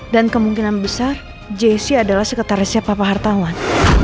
dan kemungkinan besar jessy adalah sekretaris siapa pahartawan